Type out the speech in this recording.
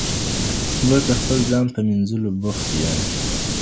موږ د خپل ځان په مینځلو بوخت یو.